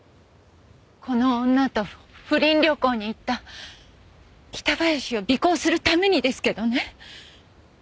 この女と不倫旅行に行った北林を尾行するためにですけどね。